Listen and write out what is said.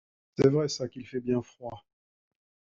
C’est vrai ça qu’il fait bien froid